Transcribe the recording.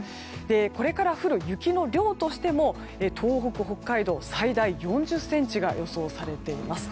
これから降る雪の量としても東北、北海道、最大４０ｃｍが予想されています。